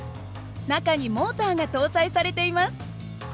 中にモーターが搭載されています。